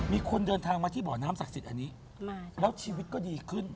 มีคนเดินทางมาที่บ่อน้ำศักดิ์สิทธิ์อันนี้แล้วชีวิตก็ดีขึ้น